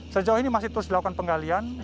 sejauh ini masih terus dilakukan penggalian